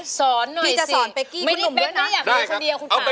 มีนิดแป๊บไม่ได้อยากเรียกเฉดียาคุณฝา